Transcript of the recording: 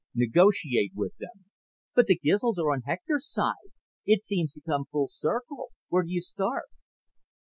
"Negotiate with them." "But the Gizls are on Hector's side. It seems to come full circle. Where do you start?"